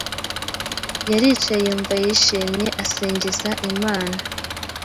Yaricaye yumva yishimye asingiza Imana